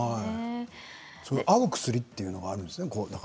合う薬というのがあるんですね。